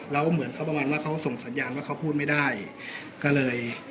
แล้วเหมือนเขาประมาณว่าเขาส่งสัญญาณว่าเขาพูดไม่ได้ก็เลย